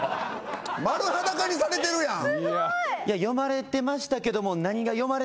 丸裸にされてるやん。